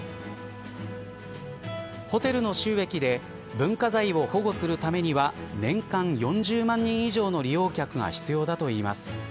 ホテルの収益で文化財を保護するためには年間４０万人以上の利用客が必要だといいます。